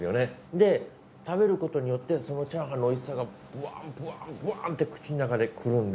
で食べることによってそのチャーハンの美味しさがブワンブワンブワンって口の中でくるんで。